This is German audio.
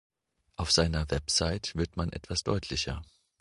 Auf seiner Website wird man etwas deutlicher.